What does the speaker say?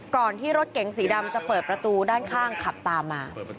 ก่อนที่รถเก๋งสีดำจะเปิดประตูด้านข้างขับตามมา